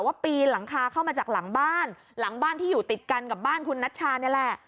ปีนหลังคาเข้ามาจากหลังบ้านหลังบ้านที่อยู่ติดกันกับบ้านคุณนัชชานี่แหละ